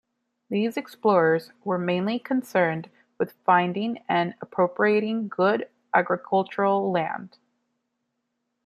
These explorers were mainly concerned with finding and appropriating good agricultural land.